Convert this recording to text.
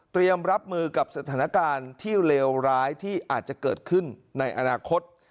รับมือกับสถานการณ์ที่เลวร้ายที่อาจจะเกิดขึ้นในอนาคต